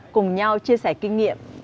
cùng nhau chia sẻ kinh nghiệm